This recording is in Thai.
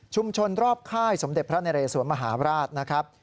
รอบค่ายสมเด็จพระนเรสวนมหาราชนะครับ